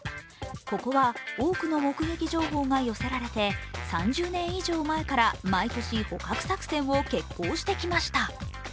ここは多くの目撃情報が寄せられて３０年以上前から毎年、捕獲作戦を決行してきました。